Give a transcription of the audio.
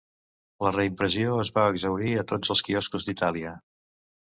La reimpressió es va exhaurir a tots els quioscos d'Itàlia.